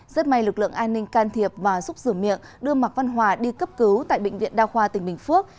rất may lực lượng an ninh can thiệp và giúp rửa miệng đưa mạc văn hòa đi cấp cứu tại bệnh viện đa khoa tỉnh bình phước